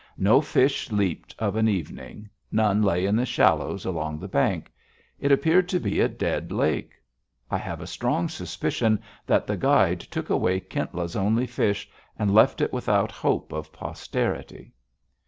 No fish leaped of an evening; none lay in the shallows along the bank. It appeared to be a dead lake. I have a strong suspicion that that guide took away Kintla's only fish, and left it without hope of posterity.